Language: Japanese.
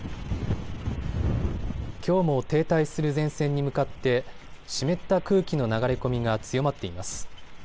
きょうも停滞する前線に向かって湿った空気の流れ込みが強まっています。